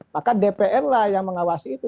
maka dpr lah yang mengawasi itu